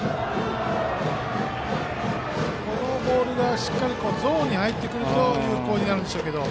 今のボールがしっかりゾーンに入ると有効になるんでしょうけど。